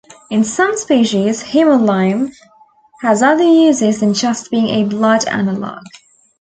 In some species, hemolymph has other uses than just being a blood analogue.